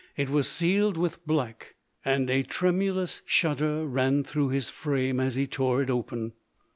It was sealed with black, and a tremulous shud der ran through his frame as he tore it open.